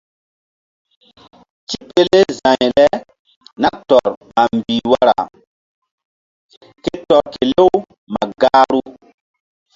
Tipele za̧y le nah tɔr ma mbih wara ke tɔr kelew ma gahru.